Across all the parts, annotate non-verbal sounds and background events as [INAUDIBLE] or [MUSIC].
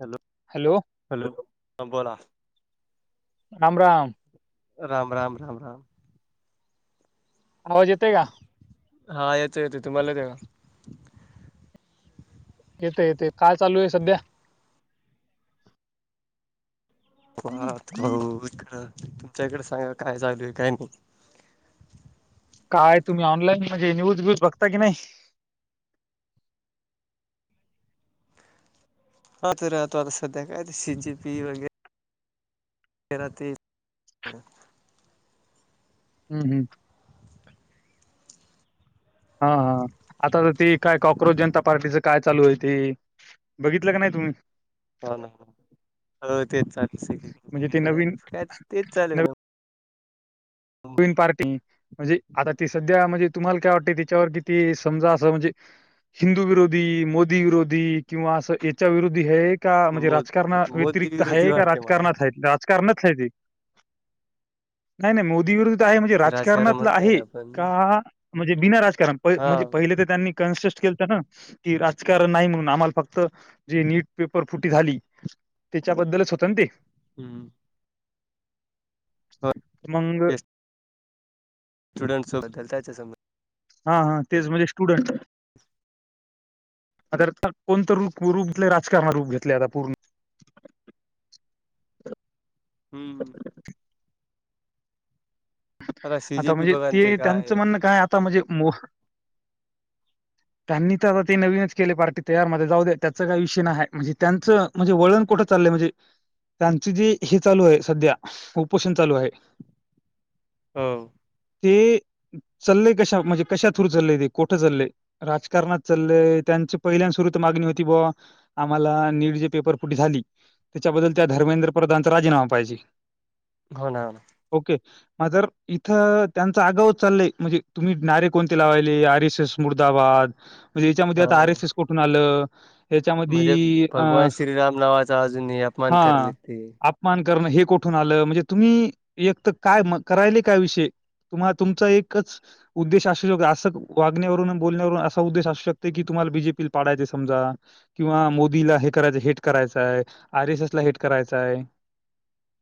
Hello, hello, hello हा बोला. राम राम. राम राम राम राम. आवाज येतो का? हा येतो येतोय तुम्हाला येतोय का. येतोय येतो, काय चालू आहे सध्या. भात गहू इकडं तुमच्याकडे, सांगा काय चालूय काय नाही. काय तुम्ही ऑनलाईन म्हणजे, न्यूज व्यूज बघता की नाही. आ तर तो आता सध्या काय तर शिजी पी वगैे राहतील करत. हम् हम्. हा.. हा.. आता तर ती काय कॉक्रोच जनता पार्टीच काय चालू आहे ते. बघितलं कणी तुम्ही, हो ना, हो ना हो तेच चालूय सगळीकड म्हणजे ते नवीन [UNINTELLIGIBLE] तेच चालू आहे नव पीन पार्टी म्हणजे, आता ती सध्या म्हणजे तुम्हाला काय वाटत, त्याच्यावर किती समजा असं म्हणजे, हिंदू विरोधी, मोदी विरोधी किंवा असं हेच्या विरोधी हेत. का म्हणजे मो राजकारणा मोदी व्यतिरिक्त विरोधी हे का वाटते मला राजकारणात हायत. करण्यात नाही, नाही मोदी विरुद्ध, म्हणजे ते राजकारण राजकारणातलं म्हणताय आहे ना पण का, म्हणजे बिना राजकारण हा म्हणजे पहिले तर त्यांनी, कन्सेस्ट केलंत ना. कि राजकारण नाही म्हणून, आम्हाला फक्त जे नीट पेपर फुटी झाली. तेच्याबद्दलच होत ना ते, हम्. होय. की मंग. स्टुडंट्स सोबत ये त्याच्या सोबत. हा.. हा. तेच म्हणजे स्टुडंट. आता हेचात कोणतं रूप -रूप राजकारण रूप घेतले आता पूर्ण. हम्म. सी जी आता पी म्हणजे बघा ते त्यांचं काय म्हणणं, काय आता म्हणजे मो [INAUDIBLE] त्यांनी तर आता ते नवीनच केले पार्टी तयारमध्ये, जाऊ दे. त्याच काही विषय नाही आहे म्हणजे त्यांचं. म्हणजे वळण कुठं चाललंय म्हणजे, त्यांची जी हे चालू आहे सध्या उपोषण चालू आहे. हो. ती चालंय कशा म्हणजे, कशा थ्रू चाली‌ ते कोठे चालंय? राजकारणात चालंय, त्यांची पहिल्या सुरू तर मागणी होती बुवा. आम्हांला नीड जे पेपर फुटी झाली. त्यांच्याबद्दल त्या धर्मेंद्र प्रधानचा राजीनामा पाहिजे. हो ना, होना. ओके. मात्र इथं त्यांचा आगावच चालय, म्हणजे तुम्ही नारे कोणते लावायले आर एस एस. मुर्दाबाद म्हणजे, यांच्यामध्ये आता हो आर एस एस कुठून आलं? म्हणजे याच्यामध्ये अ भगवान श्रीराम नावाचा अजूनही अपमान करालेत ते. मान करणं हे कुठून आलं, म्हणजे तुम्ही एक तर काय मग. करायले काय विषय, तुम्हा तुमचा एकच. उद्देश असू शकतो असं वागण्यावरून, बोलण्यावरून असा उद्देश असू शकते की, तुम्हाला बीजेपी ला पाडायच आहे समजा. किंवा मोदीला हे करायचं हेट करायचं आहे, आर एस एस ला हेट करायचं आहे.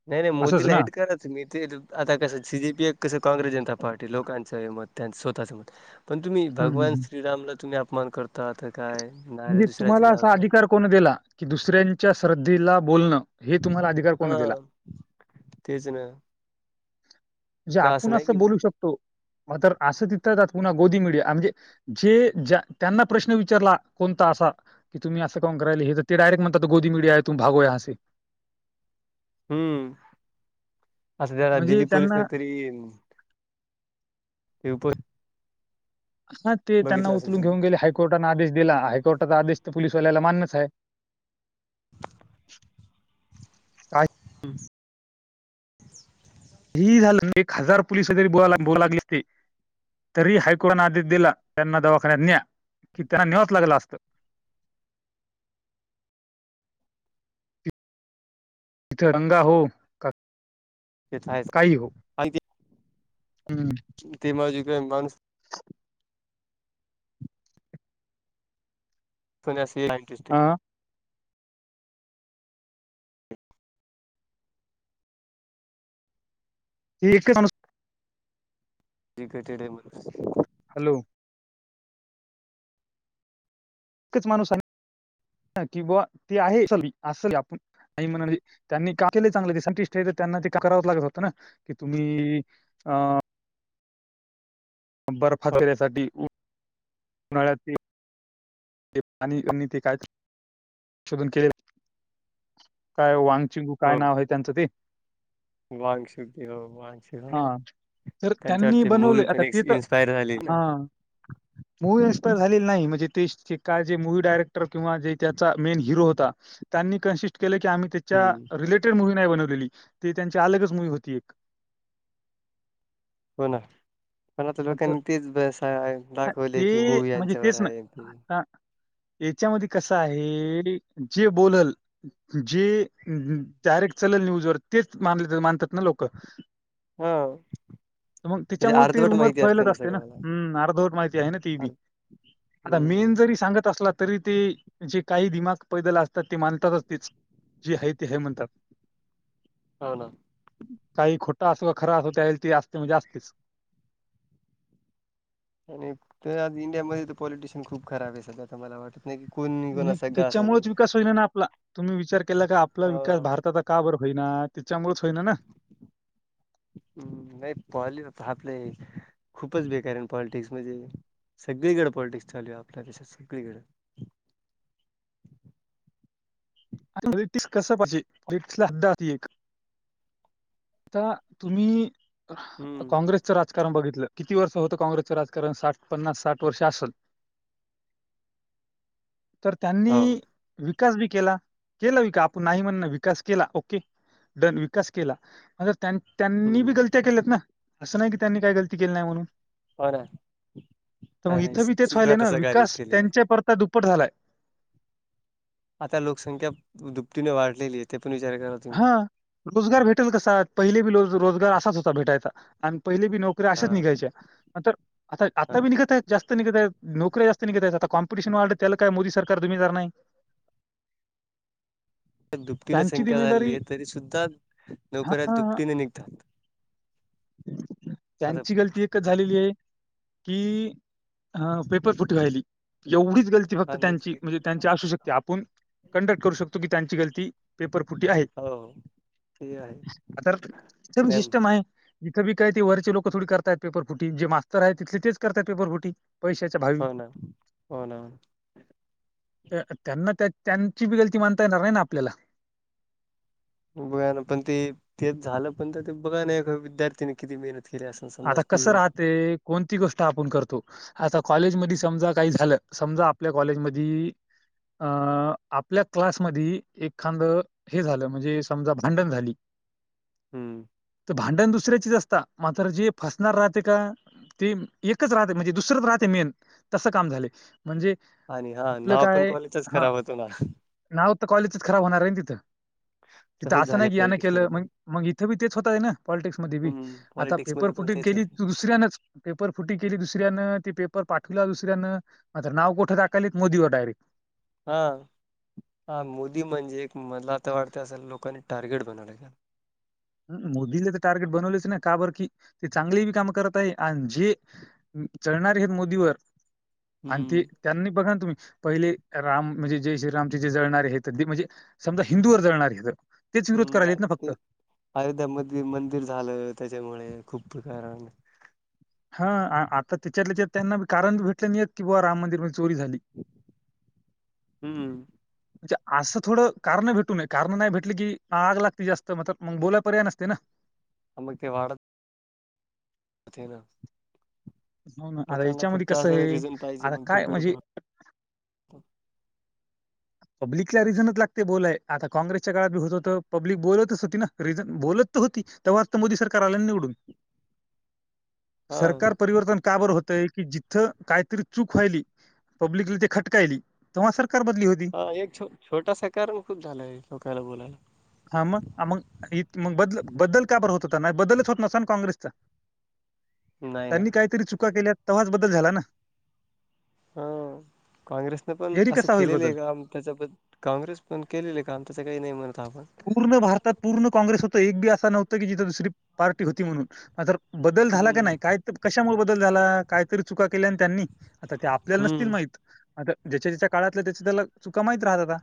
नाही नाही असंच मोदीला ना? हेट करत. ते आता कसं सी जीपी कसं काँग्रेस जनता पार्टी लोकांचं म त्यांनच स्वतःचं मत. पण तुम्ही हं, हं, भगवान हं. श्रीरामला तुम्ही अपमान करता ते काय? नारे म्हणजे दुसऱ्याचे तुम्हाला असा लावता. अधिकार कोण दिला की, दुसऱ्यांच्या श्रद्धेला बोलणं हे तुम्हाला अधिक हो, तेच ना. जे तर आपण नाही की असं बोलू शकतो. तर असं तिथे पुन्हा मोदी मीडिया म्हणजे, जे त्यांना प्रश्न विचारला कोणता असा की तुम्ही असं का करायले ते डिरेक्ट म्हणतात गोदी मिडिया आहे तुम भागो यहा से. हम्म, अस जरा म्हणजे दिल्ली पोलीस न त्यांना तरी येईल. पेपर हा ते त्यांना असेल उचलून तुम्ही घेऊन गेले हायकोर्टा आदेश दिला हायकोर्टचा आदेश तर पोलीसवाल्याला मान्यच आहे. हम् काही झालं तरी एक हजार पोलिस तरी बोला बोलावे लागले असते. तरी हायकोर्टाने आदेश दिला त्यांना दवाखान्यात न्या, की त्यांना न्यावच लागल असतं. तिरंगा हो. का ते तर आहेच काही हो आणि ते हम्म. चुलते माझे माणस पण्यासी [UNINTELLIGIBLE] नाही न केस ते हा. एकच माणुस ठीक आहे मग [UNINTELLIGIBLE] हॅलो एकच माणूस आहे की बा ती आहे चागली असल आपली. आई म्हणायला लागली त्यांनी का केले चांगले ते सायंटिस्ट तर त्यांना ते का करावच लागत होतं ना. कि तुम्ही अ बर्फात फिरण्यासाठी उन्हाळ्यातील पाणी अन ते काय संशोधन केले. काय वांगचुक काय नाव आहे त्यांचं ते. वांगचूक हो वांगचूक हा हो. तर त्यांनी त्यांच्यावरती मूवी बनवले पण आता एक ते तर इन्स्पायर झाली ना. हा मूवी एन्स्पायर झालेली नाही म्हणजे ते का जे मू्वी डायरेक्टर किंवा जे त्याचा मेन हिरो होता त्यांनी कन्सिस्ट केलं की आम्ही त्याच्या हम्म रिलेटेड मूव्ही नाही बनवलेली ती त्यांची अलगच मुू्वी होती एक. हो ना पण आता असं- लोकांनी तेच दाखवले की ते मूवी म्हणजे यांच्यावर तेच ना आहे ते आता याच्यामध्ये कसं आहे [UNINTELLIGIBLE] जे बोलल जे डायरेक्ट चलल न्यूजवर तेच मान मानतात ना लोक. हा मग म्हणजे त्याच्यामुळे ते अर्धवट रुमर माहिती फेलत ना असते न सगळ्याला हम्म अर्धवट माहिती आहे ना ती बी, अर् आता मेन हम्म जरी सांगत असला तरी तेे काही दिमाग पैदल असतात ते मानतातच तेच. जे आहे ते आहे म्हणतात. हो ना. काही खोटा असो खरा असो त्यांना ते असते म्हणजे असतेच. आणि तर आज इंडियामध्ये तर पॉलिटिशियन खूप खराब आहे सध्या तर मला वाटत आहे. नाही क कोणी नाही म्हणजे कोणाच सगा असं नाही. त्याच्यामुळेच विकास ना आपला तुम्ही विचार केला का आपला विकास हो भारताचा का बर होईना त्याच्यामुळेच होईना ना. [INAUDIBLE] हम्म नाही पॉली आपले खूपच बेकार आहेन पॉलिटिक्स म्हणजे सगळीकडें पॉलिटिक्स चालू आहे आपल्या देशात सगळीकडें. ब्रिटिश कस पाहिजे, कस पाहिजे ब्रिट्स ला हद्दा अस एक. आता तुम्ही हम्म काँग्रेस राजकारण बघितलं किती वर्ष होतं काँग्रेसचं राजकारण, साठ पन्नास साठ वर्ष असल. [INAUDIBLE] तर त्यांनी हो विकास बी केला केला विकास आपण नाही म्हणत नाही विकास केला ओके डन विकास केला मग त्यांनी त्यांनी बी हम्म गलत्या केल्यात ना असं नाही की त्यांनी काही गलती केली नाही म्हणून. हो ना तर मग नाही नाही इथं बी तेच चुका व्हायले तर ना सगळ्यांनीच विकास केलेला आहे त्यांच्या परता दुप्पट झालाय. आता लोकसंख्या दुपटीने वाढलेली आहे ते पण विचार करा. तुम्ही हा रोजगार भेटेल कसा पहिले बी रोजगार असाच होता भेटायचा आणि पहिले बी नोकरी हा अशाच निघायच्या नंतर. आता हा आता बी निघत आहेत जास्त निघत आहेत नोकर्या जास्त निघत आहेत आता कॉमपिटिशन वाढत त्याला काय मोदी सरकार जिम्मेदार नाही. दुपटीने त्यांची संख्या जिम्मेदारी झाली तरी सुद्धा हां, नोकऱ्या हां, दुपटीने निघतात. आता त्यांची गलती आहे. झालेली आहे की पेपर फुटी वहिली एवढीच. गलती फक्त हा त्यां नीट की. म्हणजे त्यां असू शक आपण कंडक्ट करू शकतो की त्यांची गलती. पेपर फुटी आहेत. हो ते आहे आता सर नाही सिस्टम आहे, जिथे काही ते वरचे लोक थोडी करत पेपर फुटी जे मास्तर आहे तिथले तेच करतात पेपर फुटी. पैशाच्या भावी. हो ना हो ना त्यांना त्यांची बी गलती मानता येणार नाही ना आपल्याला. बघा ना पण ते तेच झालं पण तर ते बघा ना विद्यार्थीने किती मेहनत. केली असेल समजा आता कसं स्टुडन्ट नी. राहते कोणती गोष्ट आपण करतो? आता कॉलेज मध समजा काही झालं समजा आपल्या कॉलेज मधी. अ आपल्या क्लास मदी एखांद. हे झालं म्हणजे समजा भांडण झाली. ह तर भांडण दुसऱ्याचीच असतात मात्र जे फसणार राहते का? ते एकच राहते म्हणजे दुसरंच राहते मेन तसं काम झाले म्हणजे. आणि हा आपलं नाव पण काय कॉलेजच हा खराब होतो ना नाव तर कॉलेजच खराब होणार आहे ना तिथं. तिथं तसंच असं झाले नाही की यान पॉलिटिक्स मध्ये केलं म पण मग इथे बी तेच होत आहे ना पॉलिटिक्स मध्ये बी हम्म आता. पॉलिटिक्स पेपर मध्ये पण फुटी तेच केली होते दुसऱ्यानच पेपर फुटी केली दुसऱ्यानं ती पेपर पाठवला दुसऱ्यानं. मग नाव कुट टाकलीत मोदीवर डायरेक्ट. हा हा मोदी म्हणजे एक मधला आता वाटतं असेल लोकांनी टार्गेट बनवलंय ना. मोदीला तर टार्गेट बनवलेच ना का बरकी ते चांगले बी काम करत आहे आणि जे. जळणार आहेत मोदीवर आणि ते, हम्म त्यांनी बघा ना तुम्ही पहिले राम म्हणजे जे श्रीरामचे जे जळणारे हे तर म्हणजे. समजा हिंदू वर जळणारे. तेच विरोध हम्म करायलेत ना फक्त ते अयोध्यामध्ये मंदिर झालं त्याच्यामुळे खूप कारण. हा आता त्याच्यात त्यांना कारण भेटले नाहीयेत की बावा राम मंदिर मदी चोरी झाली. हम्म असं थोडं कारण भेटू नय कारण नाही भेटली की आग लागते जास्त म मग बोलाय पर्याय नसते ना. मग ते वाढत. जाते ना. हो ना आता लोकांना याच्यामध्ये फक्त कसं असं आहे रिझन पाहिजे आता मग ते काय म्हणजे. बरोबर पब्लिकला रिझनच लागते बोलायाला आता काँग्रेसच्या काळात बी होत होतं पब्लिक बोलतच होती ना रिझन बोलत. होती तवा आता मोदी सरकार आल ना निवडून. [INAUDIBLE] सरकार परिवर्तन का बर होतंय? कि जिथं काहीतरी चूक व्हाली पब्लिकला ते खटकायली तेव्हा सरकार बदली होती. हा एक छ छोटासा कर्म मग खूप झालाय खरं बोलायला हा मग -मग -मग बदल बदल का बर होत होता नाही बदलच होत नसलं ना काँग्रेसचा नाही ना त्यांनी काहीतरी चुका केल्या तव्हाच बदल झाला ना ह काँग्रेसने पण यारी असं कसा होईल केलेलं बदल आहे का त्याच्याबद् काँग्रेस पण केलेली आहे काम त्याचं काही नाही म्हणत आपण. पूर्ण भारतात पूर्ण काँग्रेस होत एक बी असा नव्हतं की जिथे दुसरी पार्टी होती म्हणून आ. बदल झाला का हम्म नाही, काय कशामुळे बदल झाला कायतरी चुका केल्या आणि त्यांनी. आता ते आपल्याला नसतील हम्म माहिती आता ज्याच्या ज्याच्या काळातलं त्याच्या त्याला चुका माहित राहत आता.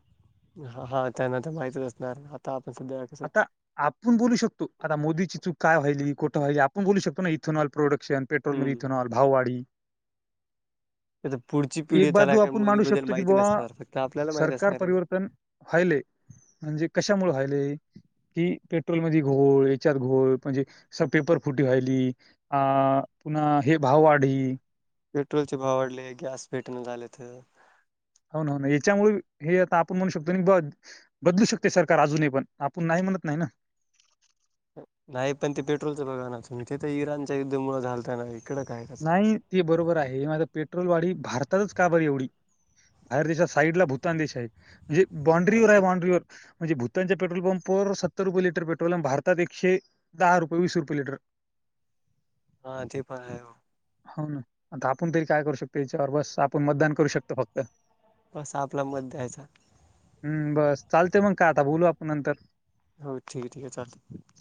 ह हा त्यांना तर माहितच असणार, आता आपण सध्या. कसं आता आपण बोलू शकतो आता मोदीची चूक काय व्हायली कुठं व्हायली आपण बोलू शकतो ना इथेनॉल प्रोडक्शन पेट्रोल हम्म इथेनॉल भाववाढी तेज पुढची पिढी एक त्याला बाजू काय आपण मांडू मुलीबद्दल शकतो की माहिती बुवा नसणार फक्त आपल्याला माहित असणार हाय व्हायलय म्हणजे कशामुळ व्हायलय कि पेट्रोल मध्ये घोळ याच्यात घोळ म्हणजे [INAUDIBLE] पेपर फुटी व्हायली आ पुन्हा हे भाववाढी पेट्रोलचे भाव वाढले गॅस भेटण झालेत हो ना हो ना याच्यामुळे हे आता आपण म्हणू शकतो ब बदलू शकते सरकार अजूनही पण आपण नाही म्हणत नाही ना नाही पण ते पेट्रोलचं बघा नाच इथे तर इराणच्या युद्धामुळ झालत ना हे नाही ते बरोबर आहे माझ पेट्रोल वाढी भारतातच का बर एवढी बाहेर देशा साईड ला भूतान देश आहे म्हणजे हा बॉड्रीवर आहे ते बाॅड्रीवर म्हणजे भूतानच्या पेट्रोल पंपावर सत्तर रुपय लिटर पेट्रोल भारतात एकशे दहा रुपय वीस रुपय लिटर हा ते पण हाय हो हो ना आता आपण तरी काय करू शकतो याच्यावर बस आपण मतदान करू शकतो फक्त असा आपला मत द्यायचा हम्म बस चालतंय मग काय आता बोलू आपण नंतर हो ठीक आहे ठीक आहे चालतंय